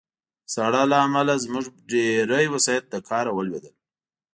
د ساړه له امله زموږ ډېری وسایط له کار ولوېدل